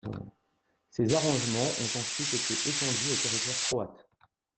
Ces arrangements ont ensuite été étendus au territoire croate.